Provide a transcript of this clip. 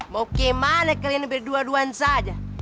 mau gimana kalian berdua duan saja